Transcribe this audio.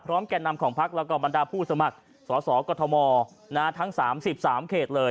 พร้อมแก่นำของพักษ์และบรรดาผู้สมัครสสกฎมทั้ง๓๓เขตเลย